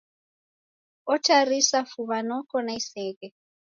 Otarisa fuw'a noko na iseghe.